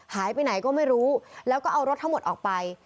หายไปไหนก็ไม่รู้แล้วก็เอารถทั้งหมดออกไป